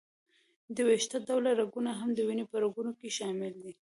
د وېښته ډوله رګونه هم د وینې په رګونو کې شامل دي.